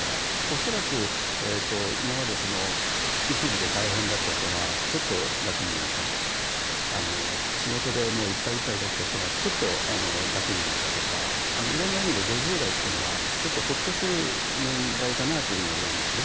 恐らく今まで育児で大変だった人がちょっと楽になったとか仕事でいっぱいいっぱいだった人がちょっと楽になったとかいろんな意味で５０代というのはちょっとほっとする年代かなというふうに思うんですね。